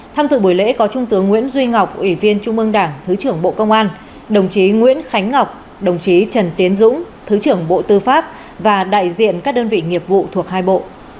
tham dự buổi lễ có trung tướng nguyễn duy ngọc ủy viên trung mương đảng thứ trưởng bộ công an đồng chí nguyễn khánh ngọc đồng chí trần tiến dũng thứ trưởng bộ tư pháp và đại diện các đơn vị nghiệp vụ thuộc hai bộ